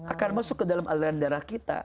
akan masuk ke dalam aliran darah kita